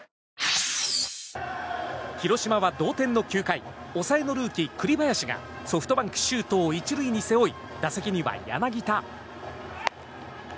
広島は同点の９回抑えのルーキー栗林がソフトバンク、周東を１塁に背負い打席には柳田。